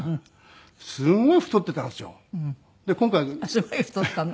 すごい太ってたの？